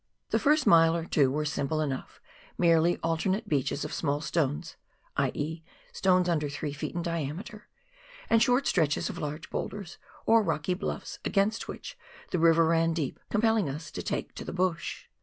The first mile or two were simple enough, merely alternate beaches of small stones {i.e. stones under 3 ft. in diameter) and short stretches of large boulders, or rocky bluffs against which the river ran very deep, compelling us to " take to the bush."